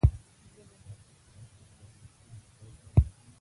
زه به دا کار پای ته ورسوم.